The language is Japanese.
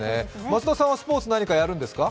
松田さんはスポーツ、何かやるんですか？